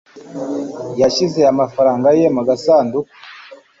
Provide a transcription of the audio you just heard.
Yashyize amafaranga ye mu gasanduku.